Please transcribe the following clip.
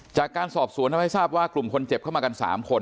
จากการสอบสวนทำให้ทราบว่ากลุ่มคนเจ็บเข้ามากัน๓คน